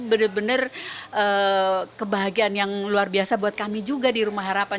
benar benar kebahagiaan yang luar biasa buat kami juga di rumah harapan